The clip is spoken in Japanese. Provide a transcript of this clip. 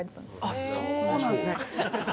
あっそうなんすね。